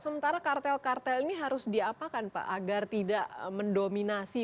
sementara kartel kartel ini harus diapakan pak agar tidak mendominasi